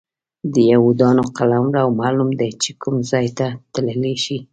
د یهودانو قلمرو معلوم دی چې کوم ځای ته تللی شي.